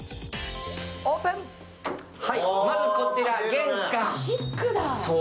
オ−プン、まずこちら、玄関。